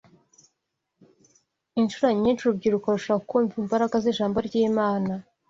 Incuro nyinshi urubyiruko rushobora kumva imbaraga y’ijambo ry’Imana